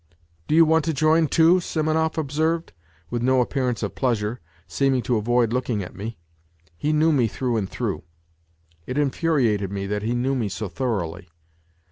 ' Do you want to join, too ?" Simonov observed, with no appearance of pleasure, seeming to avoid looking at me. He knew me through and through. It infuriated me that he knew me so thoroughly.